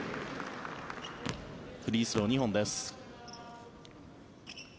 フリースロー、２本です。